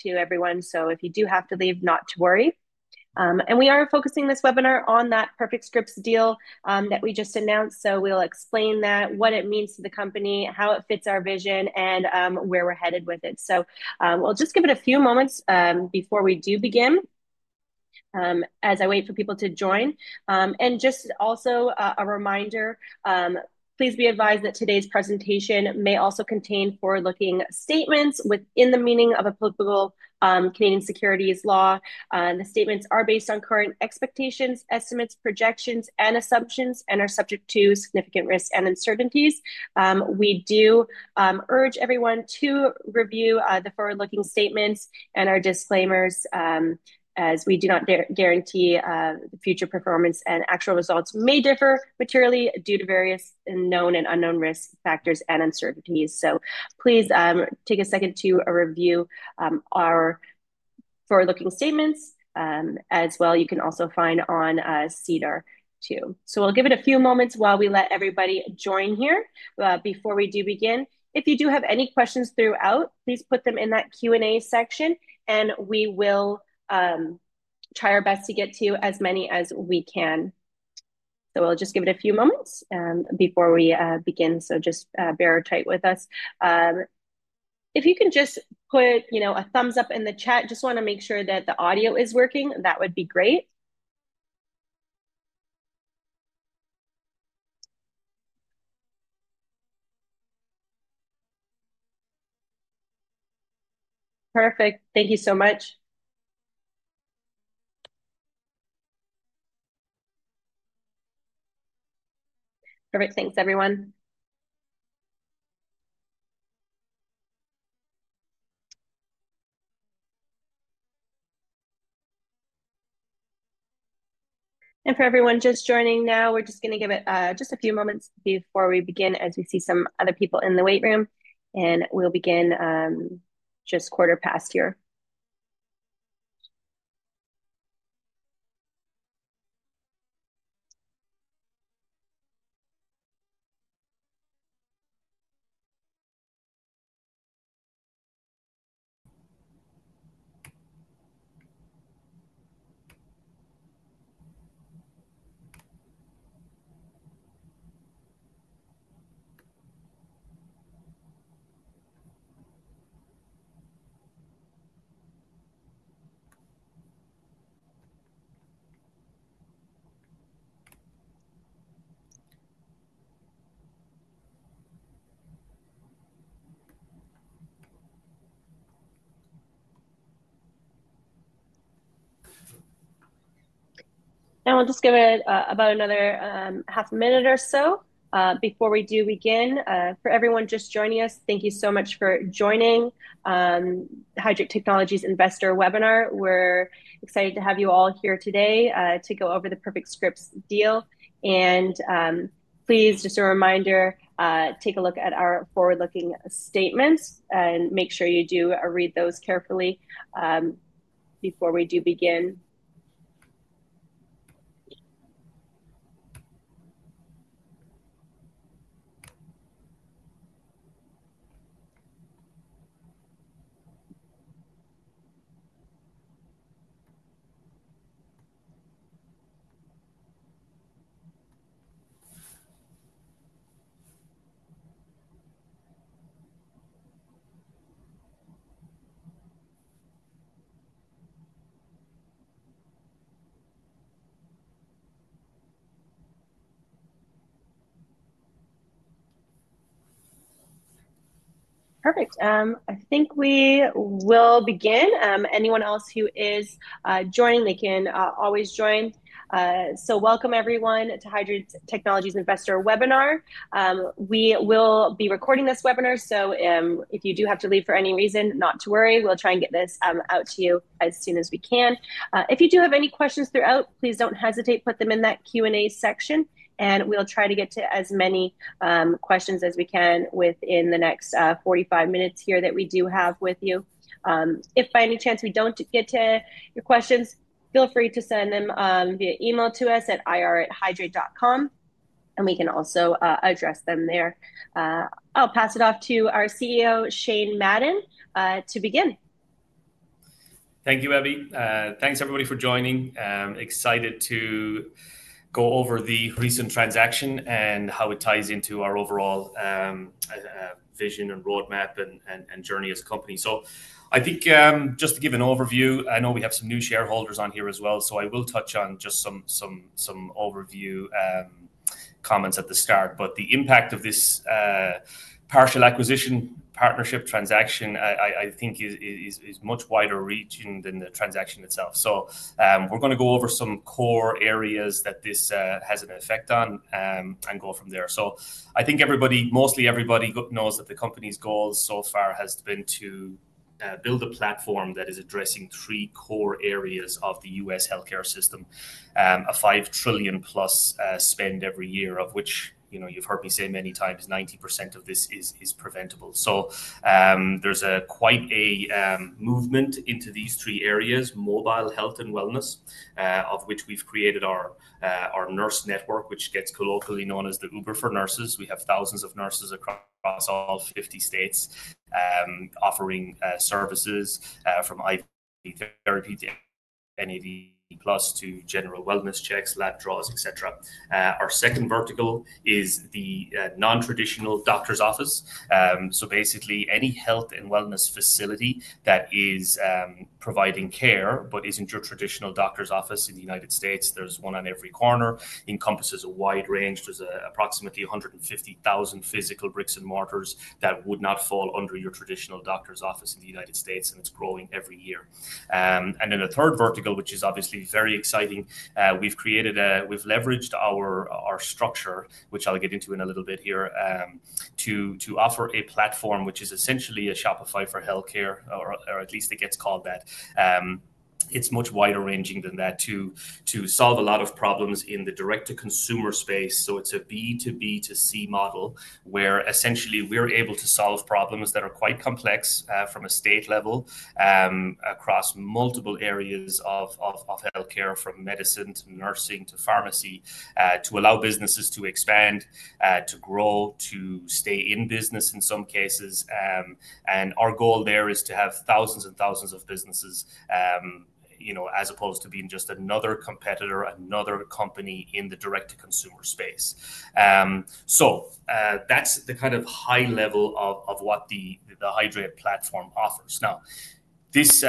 To everyone, if you do have to leave, not to worry. We are focusing this webinar on that Perfect Scripts deal that we just announced. We will explain that, what it means to the company, how it fits our vision, and where we're headed with it. We'll just give it a few moments before we begin, as I wait for people to join. Also, a reminder, please be advised that today's presentation may also contain forward-looking statements within the meaning of applicable Canadian securities law. The statements are based on current expectations, estimates, projections, and assumptions, and are subject to significant risks and uncertainties. We do urge everyone to review the forward-looking statements and our disclaimers, as we do not guarantee future performance and actual results may differ materially due to various known and unknown risk factors and uncertainties. Please take a second to review our forward-looking statements. As well, you can also find them on SEDAR too. We'll give it a few moments while we let everybody join here. Before we begin, if you do have any questions throughout, please put them in that Q&A section, and we will try our best to get to as many as we can. We'll just give it a few moments before we begin, so just bear tight with us. If you can just put a thumbs up in the chat, just want to make sure that the audio is working, that would be great. Perfect. Thank you so much. Perfect. Thanks, everyone. For everyone just joining now, we're just going to give it just a few moments before we begin, as we see some other people in the wait room. We'll begin just quarter past here. We'll just give it about another half a minute or so before we begin. For everyone just joining us, thank you so much for joining Hydreight Technologies Investor Webinar. We're excited to have you all here today to go over the Perfect Scripts deal. Please, just a reminder, take a look at our forward-looking statements and make sure you do read those carefully before we begin. Perfect. I think we will begin. Anyone else who is joining, they can always join. Welcome, everyone, to Hydreight Technologies Investor Webinar. We will be recording this webinar, so if you do have to leave for any reason, not to worry. We'll try and get this out to you as soon as we can. If you do have any questions throughout, please don't hesitate to put them in that Q&A section. We will try to get to as many questions as we can within the next 45 minutes here that we do have with you. If by any chance we don't get to your questions, feel free to send them via email to us at ir@hydreight.com. We can also address them there. I'll pass it off to our CEO, Shane Madden, to begin. Thank you, Abbey. Thanks, everybody, for joining. Excited to go over the recent transaction and how it ties into our overall vision and roadmap and journey as a company. Just to give an overview, I know we have some new shareholders on here as well. I will touch on just some overview comments at the start. The impact of this partial acquisition partnership transaction is much wider reaching than the transaction itself. We are going to go over some core areas that this has an effect on and go from there. I think everybody, mostly everybody, knows that the company's goal so far has been to build a platform that is addressing three core areas of the U.S. health care system, a 5 trillion plus spend every year, of which you've heard me say many times, 90% of this is preventable. There is quite a movement into these three areas: mobile, health, and wellness, of which we've created our nurse network, which gets colloquially known as the Uber for nurses. We have thousands of nurses across all 50 states offering services from IV therapy to NAD+ therapy to general wellness checks, lab draws, et cetera. Our second vertical is the nontraditional doctor's office. Basically, any health and wellness facility that is providing care but isn't your traditional doctor's office in the United States, there's one on every corner, encompasses a wide range. There are approximately 150,000 physical bricks and mortars that would not fall under your traditional doctor's office in the United States, and it's growing every year. The third vertical, which is obviously very exciting, we've leveraged our structure, which I'll get into in a little bit here, to offer a platform, which is essentially a Shopify for health care, or at least it gets called that. It's much wider ranging than that to solve a lot of problems in the direct-to-consumer space. It's a B2B2C model where essentially we're able to solve problems that are quite complex from a state level across multiple areas of health care, from medicine to nursing to pharmacy, to allow businesses to expand, to grow, to stay in business in some cases. Our goal there is to have thousands and thousands of businesses, as opposed to being just another competitor, another company in the direct-to-consumer space. That's the kind of high level of what the Hydreight platform offers. This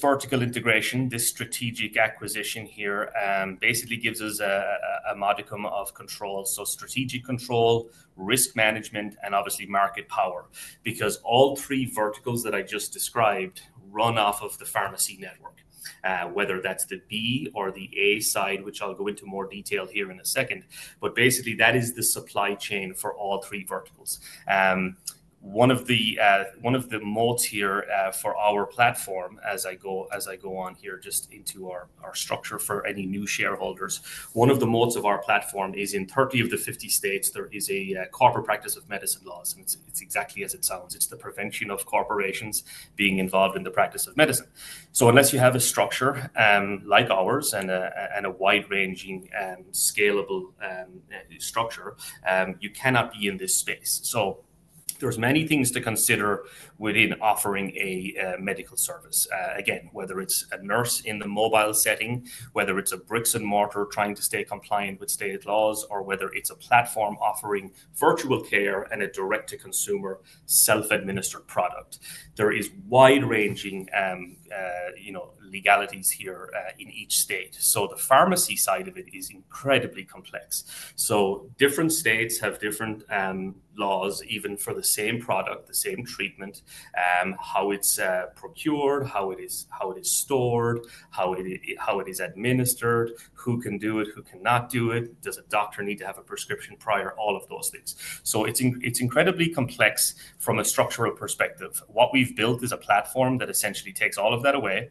vertical integration, this strategic acquisition here basically gives us a modicum of control. Strategic control, risk management, and obviously market power, because all three verticals that I just described run off of the pharmacy network, whether that's the B or the A side, which I'll go into more detail here in a second. Basically, that is the supply chain for all three verticals. One of the modes here for our platform, as I go on here just into our structure for any new shareholders, one of the modes of our platform is in 30 of the 50 states, there are corporate practice of medicine laws. It's exactly as it sounds. It's the prevention of corporations being involved in the practice of medicine. Unless you have a structure like ours and a wide-ranging and scalable structure, you cannot be in this space. There are many things to consider within offering a medical service. Again, whether it's a nurse in the mobile setting, whether it's a bricks and mortar trying to stay compliant with state laws, or whether it's a platform offering virtual care and a direct-to-consumer self-administered product, there are wide-ranging legalities here in each state. The pharmacy side of it is incredibly complex. Different states have different laws, even for the same product, the same treatment, how it's procured, how it is stored, how it is administered, who can do it, who cannot do it. Does a doctor need to have a prescription prior? All of those things. It's incredibly complex from a structural perspective. What we've built is a platform that essentially takes all of that away.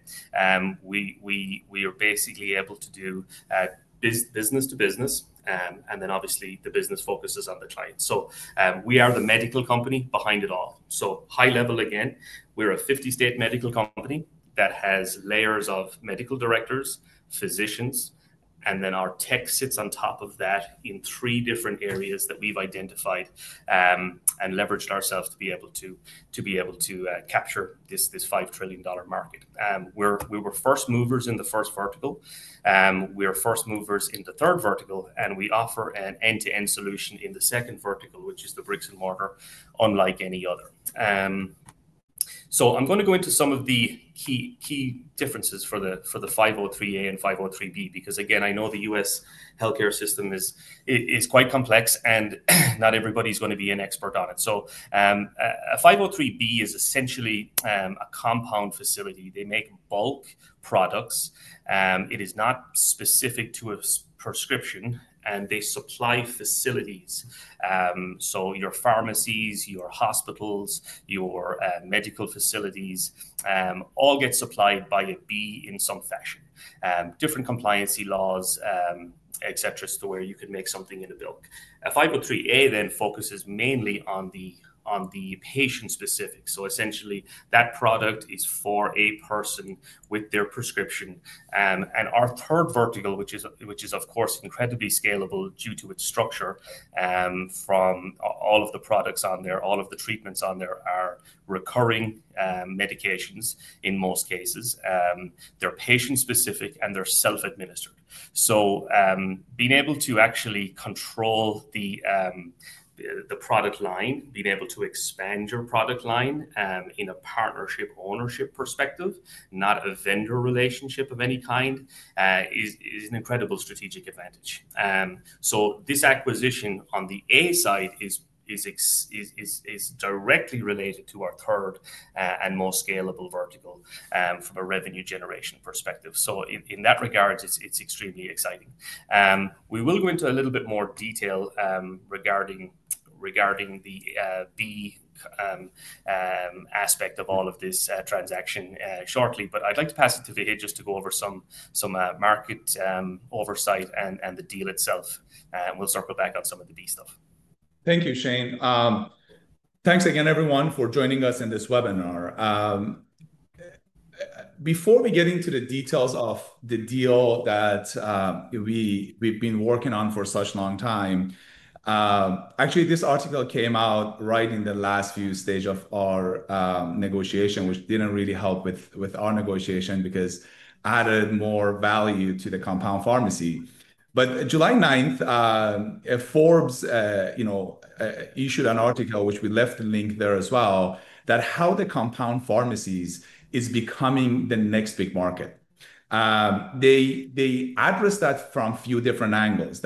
We are basically able to do business to business. Obviously, the business focuses on the client. We are the medical company behind it all. High level again, we're a 50-state medical company that has layers of Medical Directors, physicians, and then our tech sits on top of that in three different areas that we've identified and leveraged ourselves to be able to capture this 5 trillion dollar market. We were first movers in the first vertical. We are first movers in the third vertical. We offer an end-to-end solution in the second vertical, which is the bricks and mortar, unlike any other. I'm going to go into some of the key differences for the 503A and 503B, because again, I know the U.S. healthcare system is quite complex. Not everybody's going to be an expert on it. A 503B is essentially a compound facility. They make bulk products. It is not specific to a prescription. They supply facilities. Your pharmacies, your hospitals, your medical facilities all get supplied by a B in some fashion, different compliancy laws, et cetera, to where you could make something in a bulk. A 503A then focuses mainly on the patient specific. Essentially, that product is for a person with their prescription. Our third vertical, which is, of course, incredibly scalable due to its structure, from all of the products on there, all of the treatments on there are recurring medications in most cases. They're patient specific and they're self-administered. Being able to actually control the product line, being able to expand your product line in a partnership ownership perspective, not a vendor relationship of any kind, is an incredible strategic advantage. This acquisition on the A side is directly related to our third and most scalable vertical from a revenue generation perspective. In that regard, it's extremely exciting. We will go into a little bit more detail regarding the B aspect of all of this transaction shortly. I'd like to pass it to Vahid just to go over some market oversight and the deal itself. We'll circle back on some of the B stuff. Thank you, Shane. Thanks again, everyone, for joining us in this webinar. Before we get into the details of the deal that we've been working on for such a long time, this article came out right in the last few stages of our negotiation, which didn't really help with our negotiation because it added more value to the compounding pharmacy. On July 9, Forbes issued an article, which we left the link there as well, about how the compounding pharmacies are becoming the next big market. They addressed that from a few different angles.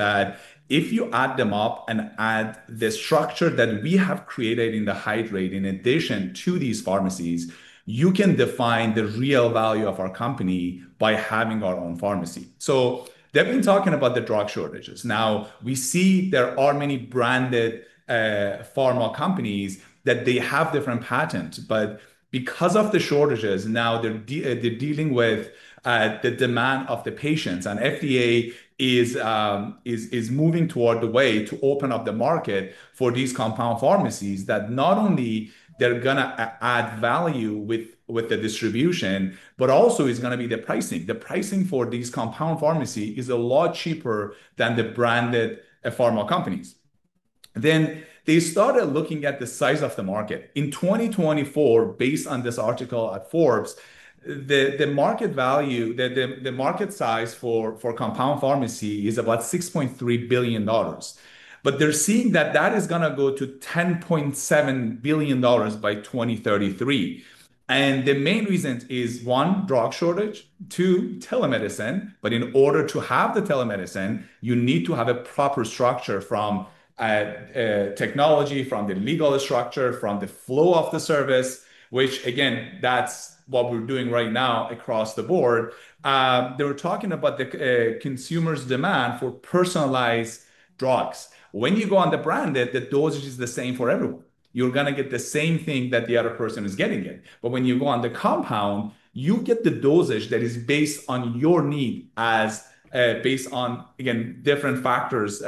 If you add them up and add the structure that we have created in Hydreight in addition to these pharmacies, you can define the real value of our company by having our own pharmacy. They've been talking about the drug shortages. Now, we see there are many branded pharma companies that have different patents. Because of the shortages, now they're dealing with the demand of the patients. The FDA is moving toward the way to open up the market for these compounding pharmacies, which not only are going to add value with the distribution, but also it's going to be the pricing. The pricing for these compounding pharmacies is a lot cheaper than the branded pharma companies. They started looking at the size of the market. In 2024, based on this article at Forbes, the market size for compounding pharmacy is about 6.3 billion dollars. They're seeing that is going to go to 10.7 billion dollars by 2033. The main reason is, one, drug shortage; two, telemedicine. In order to have the telemedicine, you need to have a proper structure from technology, from the legal structure, from the flow of the service, which is what we're doing right now across the board. They were talking about the consumer's demand for personalized drugs. When you go on the branded, the dosage is the same for everyone. You're going to get the same thing that the other person is getting. When you go on the compounding, you get the dosage that is based on your need, based on different factors.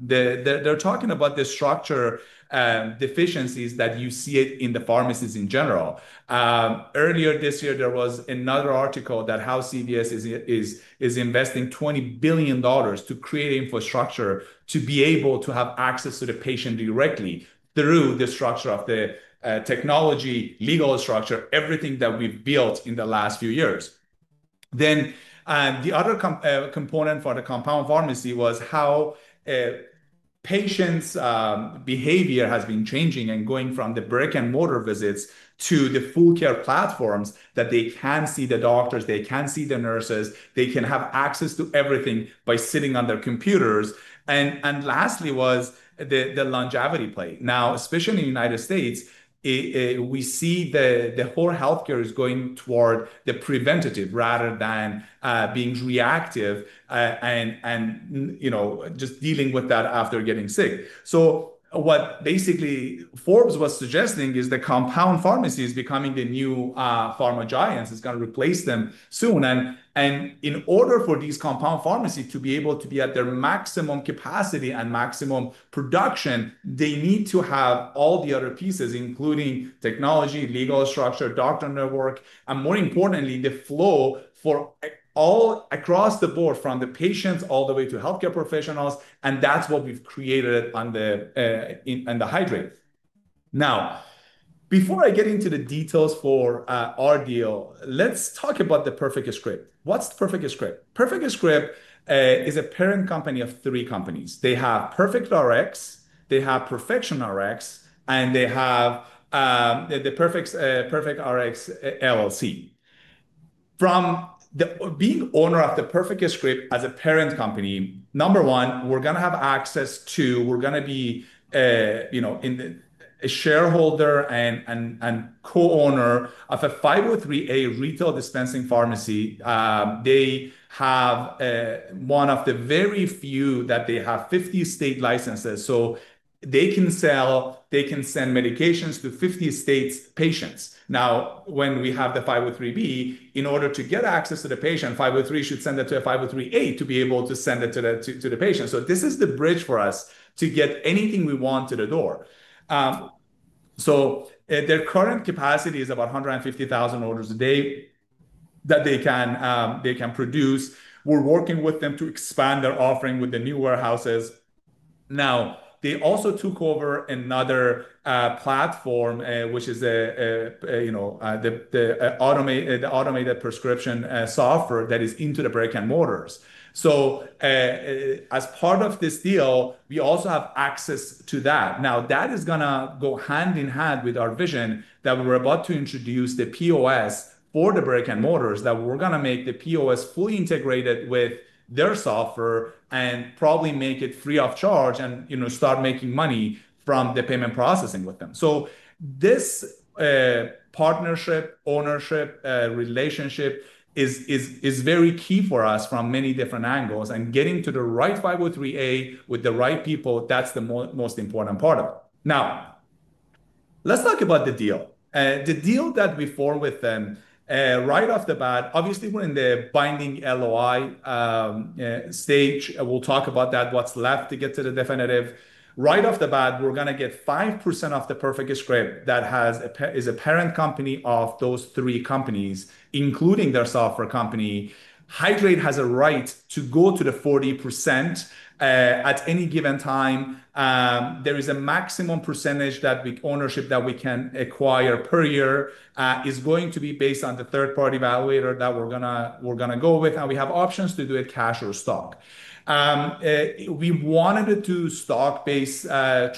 They're talking about the structure deficiencies that you see in the pharmacies in general. Earlier this year, there was another article about how CVS is investing 20 billion dollars to create infrastructure to be able to have access to the patient directly through the structure of the technology, legal structure, everything that we've built in the last few years. The other component for the compounding pharmacy was how patients' behavior has been changing and going from the brick-and-mortar visits to the full care platforms, where they can see the doctors, they can see the nurses, they can have access to everything by sitting on their computers. Lastly, there was the longevity play. Now, especially in the United States, we see the whole healthcare system is going toward preventative rather than being reactive and just dealing with that after getting sick. What basically Forbes was suggesting is the compounding pharmacies are becoming the new pharma giants. It's going to replace them soon. In order for these compounding pharmacies to be able to be at their maximum capacity and maximum production, they need to have all the other pieces, including technology, legal structure, doctor network, and more importantly, the flow all across the board, from the patients all the way to healthcare professionals. That's what we've created in Hydreight. Before I get into the details for our deal, let's talk about Perfect Scripts. What's Perfect Scripts? Perfect Scripts is a parent company of three companies. They have Perfect Rx, they have Perfection Rx, and they have The Perfect Rx LLC. From being owner of Perfect Scripts as a parent company, number one, we're going to have access to, we're going to be a shareholder and co-owner of a 503A retail dispensing pharmacy. They have one of the very few that have 50 state licenses, so they can sell, they can send medications to 50 states' patients. Now, when we have the 503B, in order to get access to the patient, 503B should send it to a 503A to be able to send it to the patient. This is the bridge for us to get anything we want to the door. Their current capacity is about 150,000 orders a day that they can produce. We're working with them to expand their offering with the new warehouses. They also took over another platform, which is the automated prescription software that is into the brick-and-mortars. As part of this deal, we also have access to that. That is going to go hand in hand with our vision that we're about to introduce the POS for the brick-and-mortars, that we're going to make the POS fully integrated with their software and probably make it free of charge and start making money from the payment processing with them. This partnership, ownership, relationship is very key for us from many different angles. Getting to the right 503A with the right people, that's the most important part of it. Now, let's talk about the deal. The deal that we formed with them, right off the bat, obviously, we're in the binding LOI stage. We'll talk about that, what's left to get to the definitive. Right off the bat, we're going to get 5% of Perfect Scripts, that is a parent company of those three companies, including their software company. Hydreight has a right to go to the 40% at any given time. There is a maximum percentage that we ownership that we can acquire per year. It's going to be based on the third-party validator that we're going to go with. We have options to do it cash or stock. We wanted to do a stock-based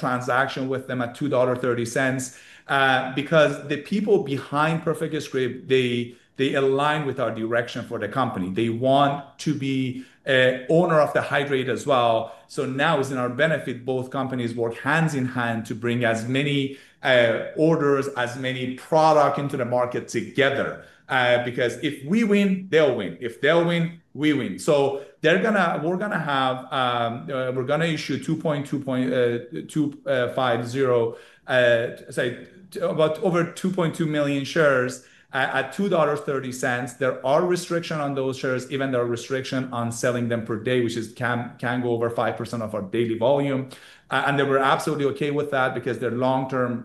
transaction with them at 2.30 dollar because the people behind Perfect Scripts, they align with our direction for the company. They want to be an owner of Hydreight as well. Now it's in our benefit. Both companies work hand in hand to bring as many orders, as many products into the market together. If we win, they'll win. If they'll win, we win. We're going to have, we're going to issue 2,250,000, say about over 2.2 million shares at 2.30 dollars. There are restrictions on those shares, even restrictions on selling them per day, which can go over 5% of our daily volume. They were absolutely OK with that because their long-term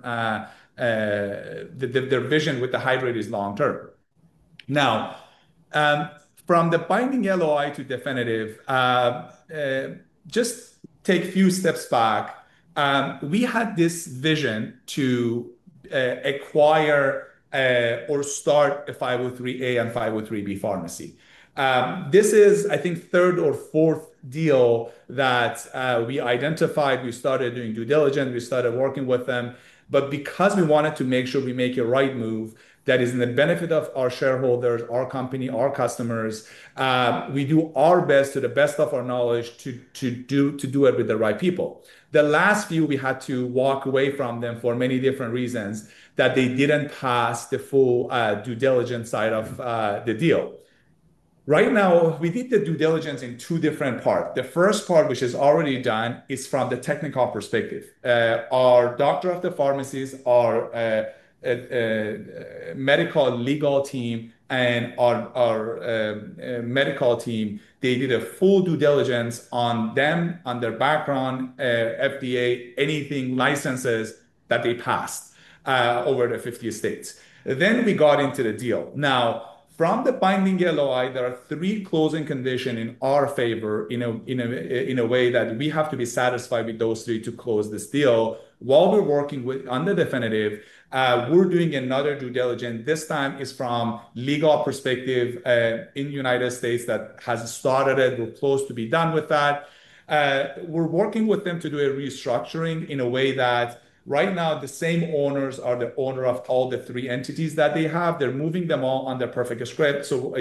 vision with Hydreight is long term. From the binding LOI to definitive, just take a few steps back. We had this vision to acquire or start a 503A and 503B pharmacy. This is, I think, the third or fourth deal that we identified. We started doing due diligence. We started working with them because we wanted to make sure we make a right move that is in the benefit of our shareholders, our company, our customers. We do our best, to the best of our knowledge, to do it with the right people. The last few, we had to walk away from them for many different reasons, that they didn't pass the full due diligence side of the deal. Right now, we did the due diligence in two different parts. The first part, which is already done, is from the technical perspective. Our Doctor of Pharmacy, our medical legal team, and our medical team, they did a full due diligence on them, on their background, FDA, anything, licenses that they passed over the 50 states. Then we got into the deal. Now, from the binding LOI, there are three closing conditions in our favor in a way that we have to be satisfied with those three to close this deal. While we're working with the definitive, we're doing another due diligence. This time is from a legal perspective in the United States that has started. We're close to being done with that. We're working with them to do a restructuring in a way that right now the same owners are the owners of all the three entities that they have. They're moving them all on the Perfect Scripts. So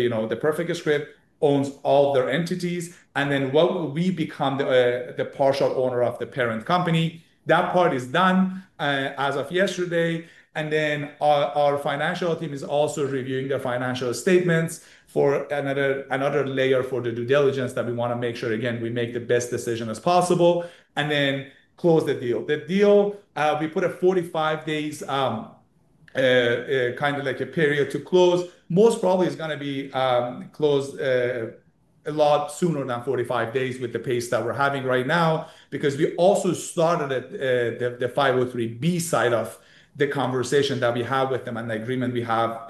Perfect Scripts owns all of their entities, and then we become the partial owner of the parent company. That part is done as of yesterday. Our financial team is also reviewing the financial statements for another layer for the due diligence that we want to make sure, again, we make the best decision as possible and then close the deal. The deal, we put a 45 days kind of like a period to close. Most probably it's going to be closed a lot sooner than 45 days with the pace that we're having right now because we also started the 503B side of the conversation that we have with them and the agreement we have.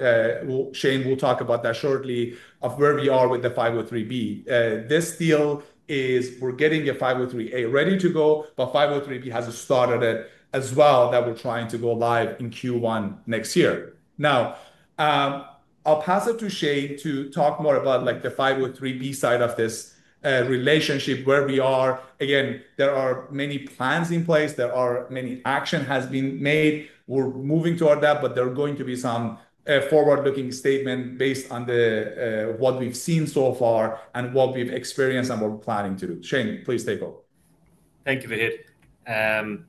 Shane will talk about that shortly of where we are with the 503B. This deal is we're getting a 503A ready to go, but 503B has started as well that we're trying to go live in Q1 next year. Now, I'll pass it to Shane to talk more about the 503B side of this relationship, where we are. Again, there are many plans in place. There are many actions that have been made. We're moving toward that. There are going to be some forward-looking statements based on what we've seen so far and what we've experienced and what we're planning to do. Shane, please take over. Thank you, Vahid.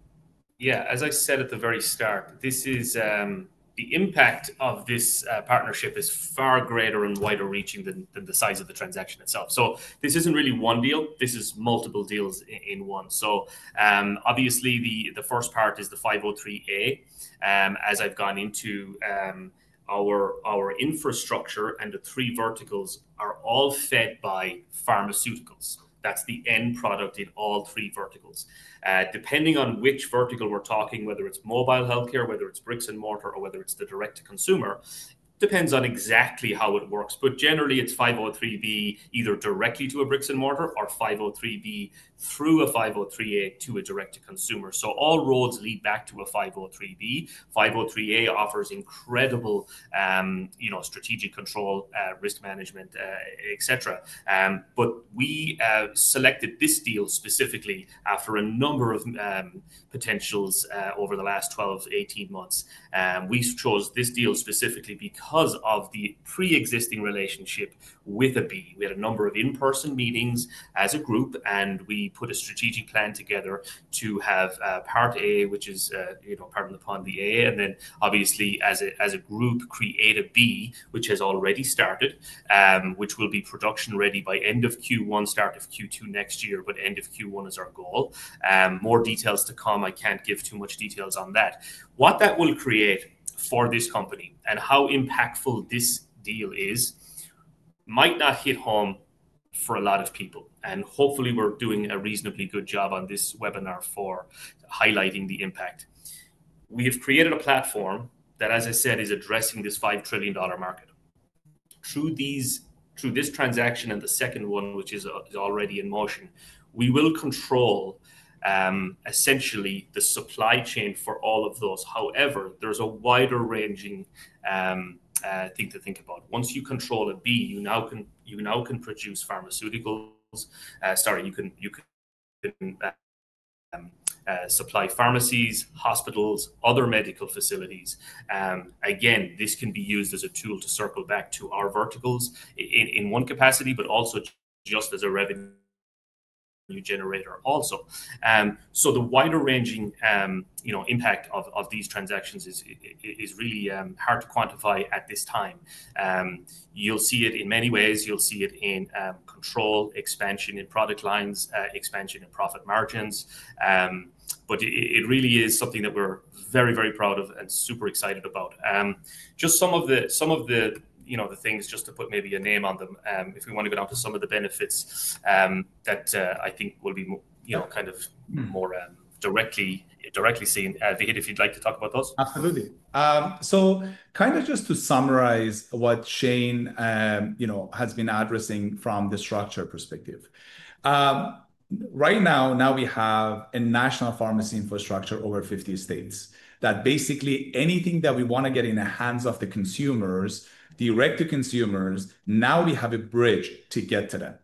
Yeah, as I said at the very start, the impact of this partnership is far greater and wider reaching than the size of the transaction itself. This isn't really one deal. This is multiple deals in one. Obviously, the first part is the 503A. As I've gone into our infrastructure, the three verticals are all fed by pharmaceuticals. That's the end product in all three verticals. Depending on which vertical we're talking, whether it's mobile health care, whether it's bricks and mortar, or whether it's the direct-to-consumer, it depends on exactly how it works. Generally, it's 503B either directly to a bricks and mortar or 503B through a 503A to a direct-to-consumer. All roads lead back to a 503B. 503A offers incredible strategic control, risk management, et cetera. We selected this deal specifically after a number of potentials over the last 12, 18 months. We chose this deal specifically because of the pre-existing relationship with a B. We had a number of in-person meetings as a group. We put a strategic plan together to have part A, which is part of the part of the A. Then, as a group, create a B, which has already started, which will be production ready by end of Q1, start of Q2 next year. End of Q1 is our goal. More details to come. I can't give too much details on that. What that will create for this company and how impactful this deal is might not hit home for a lot of people. Hopefully, we're doing a reasonably good job on this webinar for highlighting the impact. We have created a platform that, as I said, is addressing this 5 trillion dollar market. Through this transaction and the second one, which is already in motion, we will control essentially the supply chain for all of those. However, there's a wider-ranging thing to think about. Once you control a B, you now can produce pharmaceuticals. Sorry, you can supply pharmacies, hospitals, other medical facilities. This can be used as a tool to circle back to our verticals in one capacity, but also just as a revenue generator also. The wider-ranging impact of these transactions is really hard to quantify at this time. You'll see it in many ways. You'll see it in control expansion, in product lines expansion, in profit margins. It really is something that we're very, very proud of and super excited about. Just some of the things, just to put maybe a name on them, if we want to get on to some of the benefits that I think will be kind of more directly seen. Vahid, if you'd like to talk about those. Absolutely. To summarize what Shane has been addressing from the structure perspective, right now, we have a national pharmacy infrastructure over 50 states that basically anything that we want to get in the hands of the consumers, direct-to-consumers, now we have a bridge to get to them.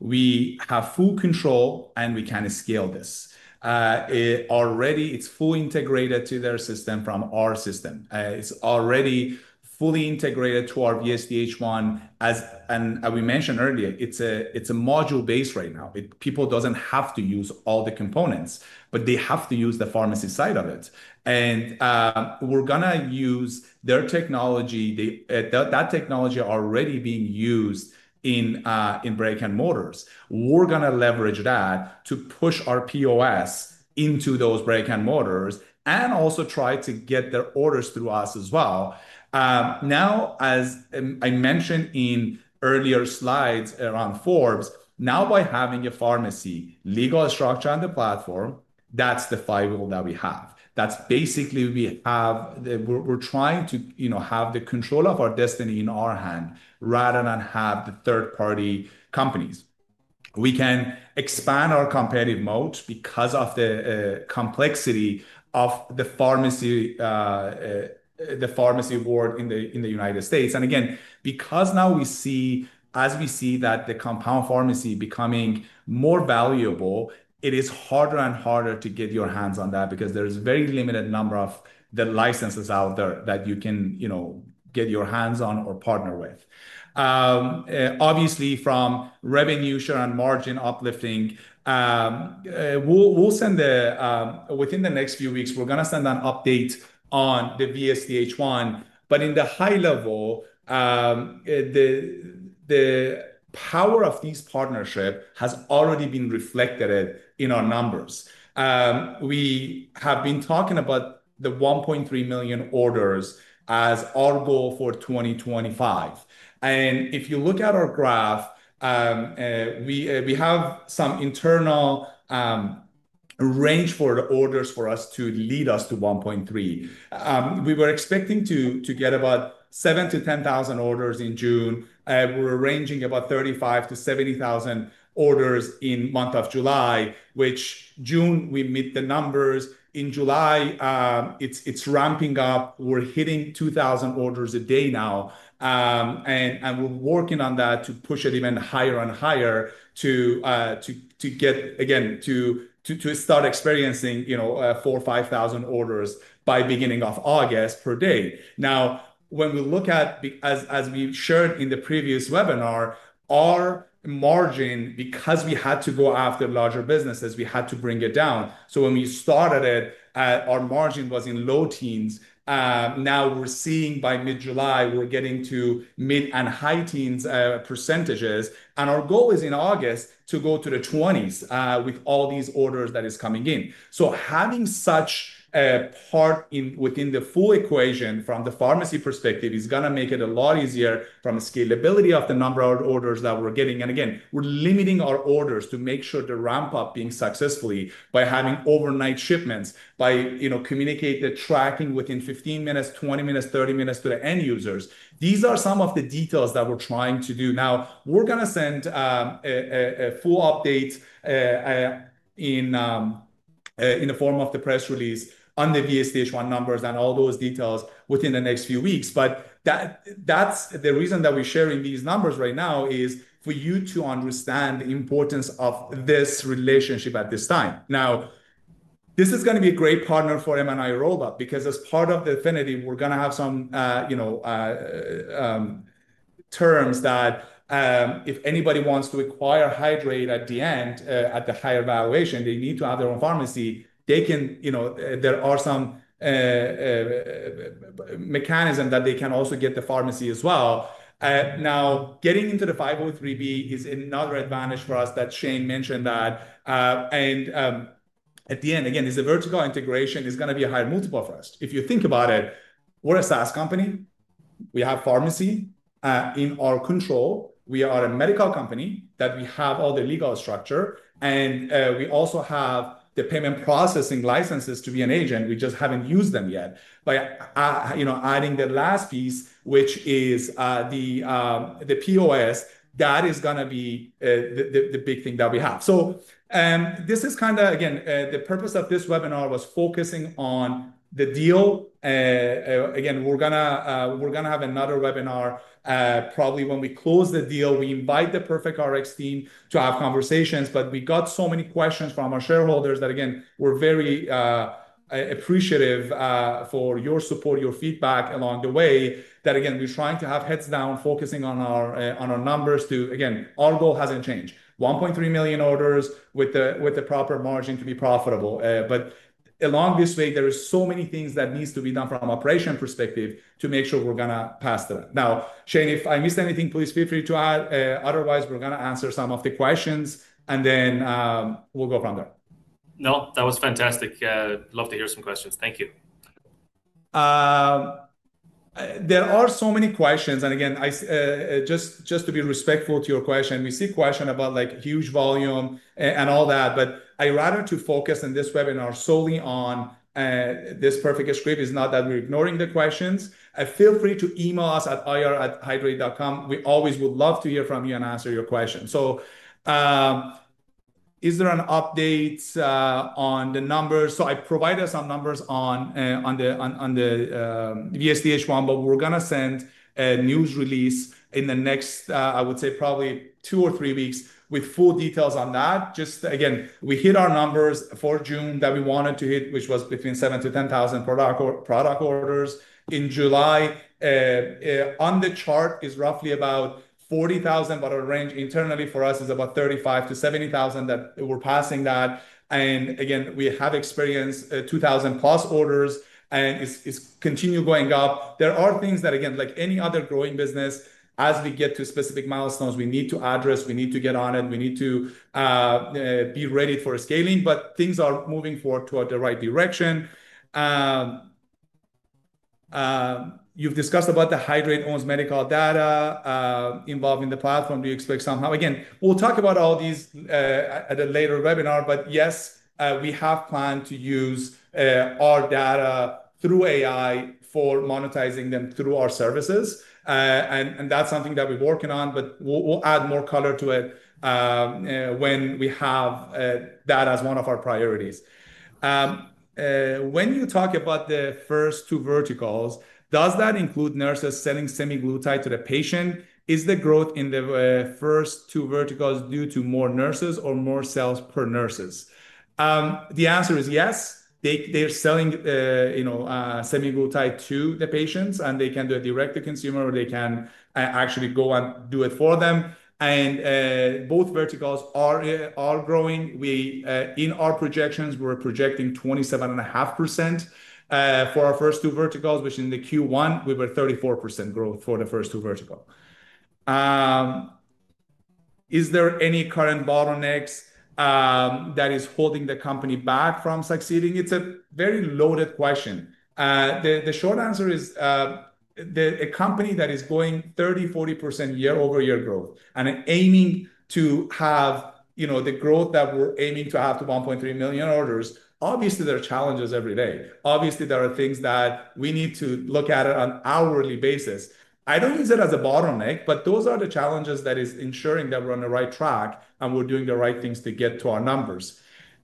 We have full control, and we can scale this. Already, it's fully integrated to their system from our system. It's already fully integrated to our VSDHOne. We mentioned earlier, it's a module base right now. People don't have to use all the components, but they have to use the pharmacy side of it. We're going to use their technology. That technology is already being used in brick and mortars. We're going to leverage that to push our POS solutions into those brick and mortars and also try to get their orders through us as well. As I mentioned in earlier slides around Forbes, now by having a pharmacy, legal structure, and the platform, that's the firewall that we have. That's basically, we're trying to have the control of our destiny in our hand rather than have the third-party companies. We can expand our competitive moat because of the complexity of the pharmacy world in the United States. Again, because now we see, as we see that the compounding pharmacy is becoming more valuable, it is harder and harder to get your hands on that because there is a very limited number of the licenses out there that you can get your hands on or partner with. Obviously, from revenue, share, and margin uplifting, within the next few weeks, we're going to send an update on the VSDHOne. At a high level, the power of this partnership has already been reflected in our numbers. We have been talking about the 1.3 million orders as our goal for 2025. If you look at our graph, we have some internal range for the orders for us to lead us to 1.3 million. We were expecting to get about 7,000-10,000 orders in June. We're arranging about 35,000-70,000 orders in the month of July. In June, we meet the numbers. In July, it's ramping up. We're hitting 2,000 orders a day now, and we're working on that to push it even higher and higher to get, again, to start experiencing 4,000-5,000 orders by the beginning of August per day. As we shared in the previous webinar, our margin, because we had to go after larger businesses, we had to bring it down. When we started it, our margin was in low teens. Now we're seeing by mid-July, we're getting to mid and high teens percentages. Our goal is in August to go to the 20s with all these orders that are coming in. Having such a part within the full equation from the pharmacy perspective is going to make it a lot easier from the scalability of the number of orders that we're getting. Again, we're limiting our orders to make sure they ramp up successfully by having overnight shipments, by communicating the tracking within 15 minutes, 20 minutes, 30 minutes to the end users. These are some of the details that we're trying to do. We're going to send a full update in the form of the press release on the VSDHOne numbers and all those details within the next few weeks. That's the reason that we're sharing these numbers right now is for you to understand the importance of this relationship at this time. This is going to be a great partner for M&I roadmap because as part of the definitive, we're going to have some terms that if anybody wants to acquire Hydreight at the end, at the higher valuation, they need to have their own pharmacy. There are some mechanisms that they can also get the pharmacy as well. Getting into the 503B is another advantage for us that Shane mentioned. At the end, again, it's a vertical integration. It's going to be a higher multiple for us. If you think about it, we're a SaaS company. We have pharmacy in our control. We are a medical company that we have all the legal structure. We also have the payment processing licenses to be an agent. We just haven't used them yet. By adding the last piece, which is the POS, that is going to be the big thing that we have. This is kind of, again, the purpose of this webinar was focusing on the deal. We're going to have another webinar probably when we close the deal. We invite the Perfect Rx team to have conversations. We got so many questions from our shareholders that, again, we're very appreciative for your support, your feedback along the way that, again, we're trying to have heads down, focusing on our numbers to, again, our goal hasn't changed. 1.3 million orders with the proper margin to be profitable. Along this way, there are so many things that need to be done from an operational perspective to make sure we're going to pass to them. Shane, if I missed anything, please feel free to add. Otherwise, we're going to answer some of the questions. Then we'll go from there. No, that was fantastic. I'd love to hear some questions. Thank you. There are so many questions. Just to be respectful to your question, we see questions about huge volume and all that. I would rather focus in this webinar solely on this Perfect Scripts. It's not that we're ignoring the questions. Feel free to email us at ir@hydreight.com. We always would love to hear from you and answer your questions. Is there an update on the numbers? I provided some numbers on the VSDHOne. We're going to send a news release in the next, I would say, probably two or three weeks with full details on that. We hit our numbers for June that we wanted to hit, which was between 7,000-10,000 product orders. In July, on the chart is roughly about 40,000, but our range internally for us is about 35,000-70,000 that we're passing that. We have experienced 2,000+ orders, and it's continued going up. There are things that, like any other growing business, as we get to specific milestones, we need to address. We need to get on it. We need to be ready for scaling. Things are moving forward toward the right direction. You've discussed about the Hydreight owns medical data involved in the platform. Do you expect somehow? We will talk about all these at a later webinar. Yes, we have planned to use our data through AI for monetizing them through our services, and that's something that we're working on. We'll add more color to it when we have that as one of our priorities. When you talk about the first two verticals, does that include nurses selling semaglutide to the patient? Is the growth in the first two verticals due to more nurses or more sales per nurses? The answer is yes. They're selling semaglutide to the patients, and they can do it direct-to-consumer, or they can actually go and do it for them. Both verticals are growing. In our projections, we're projecting 27.5% for our first two verticals, which in Q1, we were 34% growth for the first two verticals. Is there any current bottleneck that is holding the company back from succeeding? It's a very loaded question. The short answer is a company that is going 30%-40% year-over-year growth and aiming to have the growth that we're aiming to have to 1.3 million orders. Obviously, there are challenges every day. Obviously, there are things that we need to look at on an hourly basis. I don't use it as a bottleneck. Those are the challenges that are ensuring that we're on the right track and we're doing the right things to get to our numbers.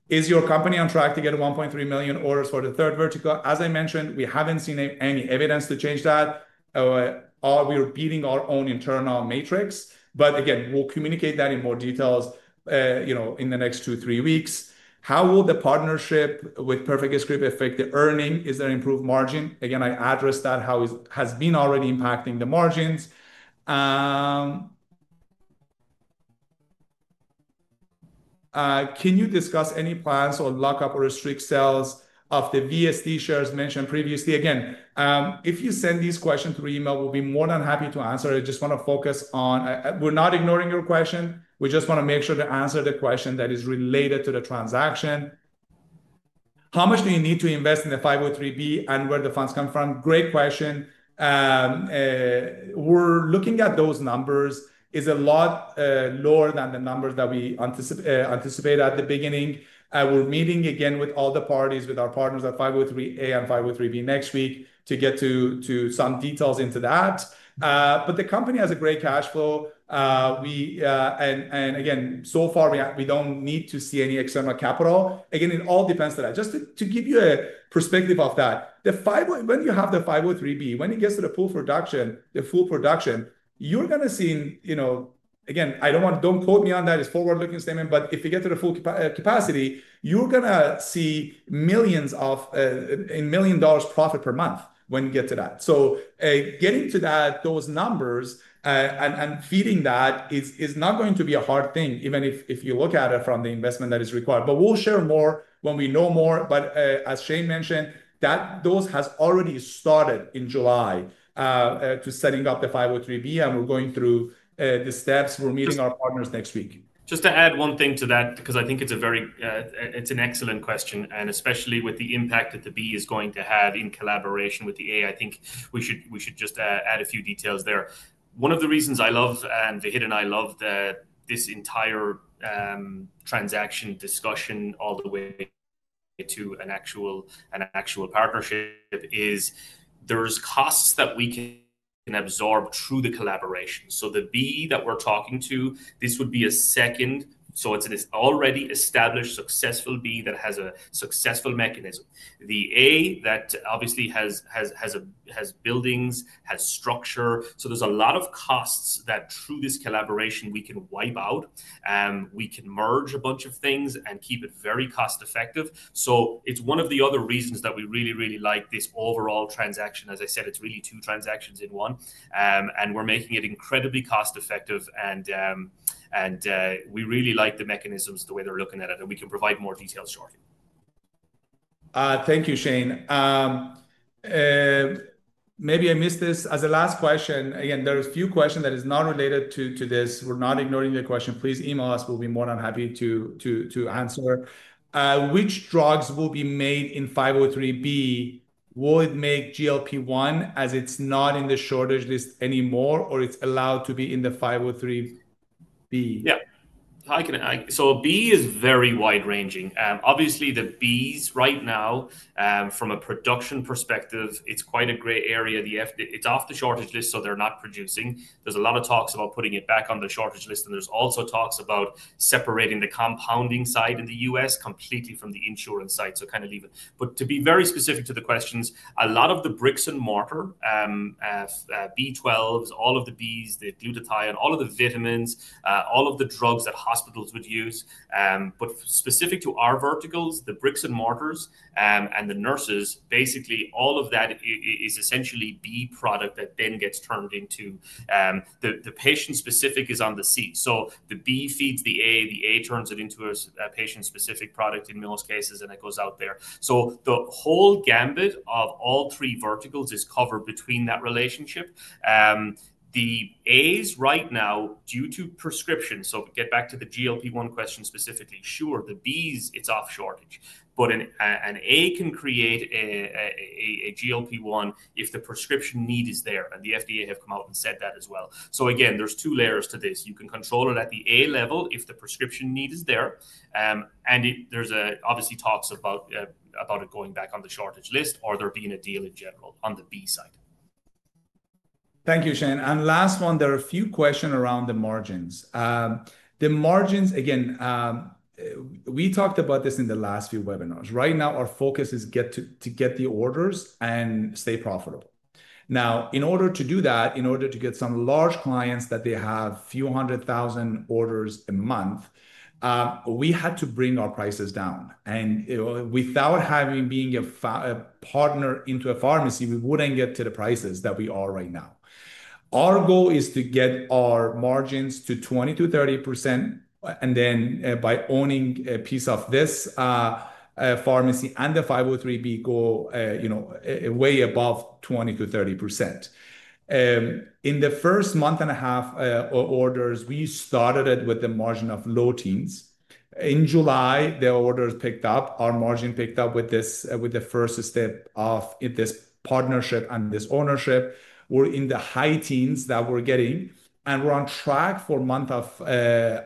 Is your company on track to get 1.3 million orders for the third vertical? As I mentioned, we haven't seen any evidence to change that. Are we beating our own internal matrix? We'll communicate that in more detail in the next two, three weeks. How will the partnership with Perfect Scripts affect the earning? Is there improved margin? I addressed that, how it has been already impacting the margins. Can you discuss any plans to lock up or restrict sales of the VSD shares mentioned previously? If you send these questions through email, we'll be more than happy to answer it. I just want to focus on we're not ignoring your question. We just want to make sure to answer the question that is related to the transaction. How much do you need to invest in the 503B and where do the funds come from? Great question. We're looking at those numbers. It's a lot lower than the numbers that we anticipated at the beginning. We're meeting again with all the parties, with our partners at 503A and 503B next week to get some details into that. The company has a great cash flow. So far, we don't need to see any external capital. It all depends on that. Just to give you a perspective of that, when you have the 503B, when it gets to the full production, you're going to see, I don't want to, don't quote me on that. It's a forward-looking statement. If you get to the full capacity, you're going to see millions of, in million dollars profit per month when you get to that. Getting to those numbers and feeding that is not going to be a hard thing, even if you look at it from the investment that is required. We'll share more when we know more. As Shane mentioned, those have already started in July to setting up the 503B. We're going through the steps. We're meeting our partners next week. Just to add one thing to that, because I think it's an excellent question, and especially with the impact that the B is going to have in collaboration with the A, I think we should just add a few details there. One of the reasons I love, and Vahid and I love this entire transaction discussion all the way to an actual partnership, is there are costs that we can absorb through the collaboration. The B that we're talking to, this would be a second. It's an already established successful B that has a successful mechanism. The A that obviously has buildings, has structure. There are a lot of costs that through this collaboration we can wipe out. We can merge a bunch of things and keep it very cost-effective. It's one of the other reasons that we really, really like this overall transaction. As I said, it's really two transactions in one. We're making it incredibly cost-effective. We really like the mechanisms, the way they're looking at it. We can provide more details shortly. Thank you, Shane. Maybe I missed this. As a last question, again, there are a few questions that are not related to this. We're not ignoring the question. Please email us. We'll be more than happy to answer. Which drugs will be made in 503B? Will it make GLP-1 as it's not in the shortage list anymore, or it's allowed to be in the 503B? Yeah. B is very wide-ranging. Obviously, the Bs right now, from a production perspective, it's quite a gray area. It's off the shortage list, so they're not producing. There's a lot of talks about putting it back on the shortage list. There's also talks about separating the compounding side in the U.S. completely from the insurance side, so kind of leave it. To be very specific to the questions, a lot of the bricks and mortar, B12s, all of the Bs, the glutathione, all of the vitamins, all of the drugs that hospitals would use. Specific to our verticals, the bricks and mortars and the nurses, basically, all of that is essentially B product that then gets turned into the patient specific is on the C. The B feeds the A. The A turns it into a patient specific product in most cases, and it goes out there. The whole gambit of all three verticals is covered between that relationship. The As right now, due to prescription, to get back to the GLP-1 question specifically. Sure, the Bs, it's off shortage, but an A can create a GLP-1 if the prescription need is there, and the FDA has come out and said that as well. Again, there's two layers to this. You can control it at the A level if the prescription need is there. There's obviously talks about it going back on the shortage list or there being a deal in general on the B side. Thank you, Shane. Last one, there are a few questions around the margins. The margins, again, we talked about this in the last few webinars. Right now, our focus is to get the orders and stay profitable. In order to do that, in order to get some large clients that have a few hundred thousand orders a month, we had to bring our prices down. Without having been a partner into a pharmacy, we wouldn't get to the prices that we are right now. Our goal is to get our margins to 20%-30%. By owning a piece of this pharmacy and the 503B, we go way above 20%-30%. In the first month and a half of orders, we started with the margin of low teens. In July, the orders picked up. Our margin picked up with the first step of this partnership and this ownership. We're in the high teens that we're getting. We're on track for the month of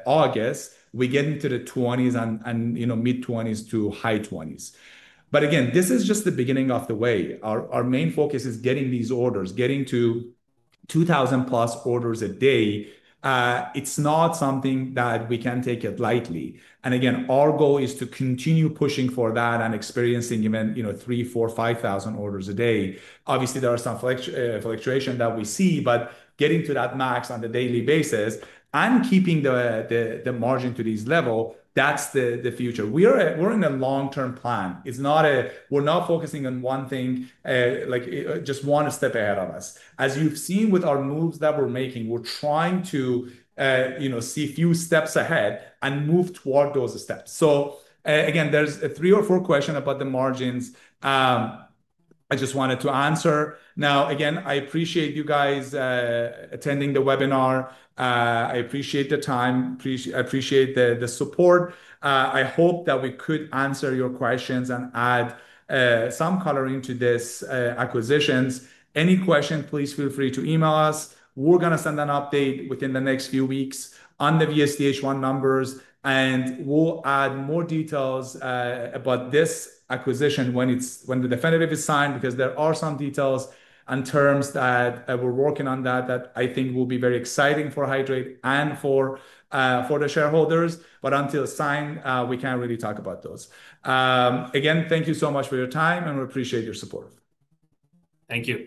August. We get into the 20s and mid-20s to high 20s. This is just the beginning of the way. Our main focus is getting these orders, getting to 2,000+ orders a day. It's not something that we can take lightly. Our goal is to continue pushing for that and experiencing even 3,000, 4,000, 5,000 orders a day. Obviously, there are some fluctuations that we see. Getting to that max on a daily basis and keeping the margin to this level, that's the future. We're in a long-term plan. We're not focusing on one thing, like just one step ahead of us. As you've seen with our moves that we're making, we're trying to see a few steps ahead and move toward those steps. There are three or four questions about the margins I just wanted to answer. I appreciate you guys attending the webinar. I appreciate the time. I appreciate the support. I hope that we could answer your questions and add some color into these acquisitions. Any questions, please feel free to email us. We're going to send an update within the next few weeks on the VSDHOne numbers. We'll add more details about this acquisition when the definitive is signed because there are some details and terms that we're working on that I think will be very exciting for Hydreight and for the shareholders. Until signed, we can't really talk about those. Thank you so much for your time. We appreciate your support. Thank you.